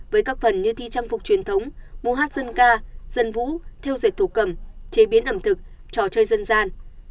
với các phần như thi trăm phục truyền thống mù hát dân ca dân vũ theo dệt thủ cầm chế biến ẩm thực trò chơi dân gian